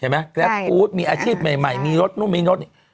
แบบอุ๊ดมีอาชิบใหม่รถนุ่มมีรถนี่